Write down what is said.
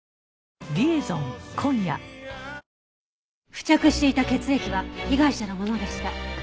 付着していた血液は被害者のものでした。